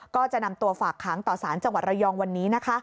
ก็จะนำตัวฝากขังต่อสารจังหวัดระยองวันนี้นะคะ